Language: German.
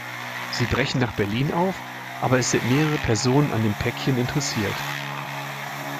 Sie brechen nach Berlin auf, aber es sind mehrere Personen an dem Päckchen interessiert.